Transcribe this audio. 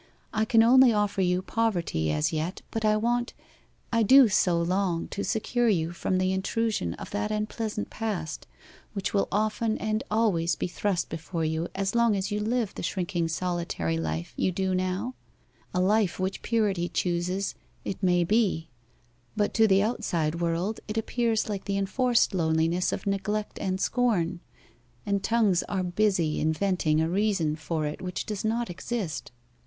I can only offer you poverty as yet, but I want I do so long to secure you from the intrusion of that unpleasant past, which will often and always be thrust before you as long as you live the shrinking solitary life you do now a life which purity chooses, it may be; but to the outside world it appears like the enforced loneliness of neglect and scorn and tongues are busy inventing a reason for it which does not exist.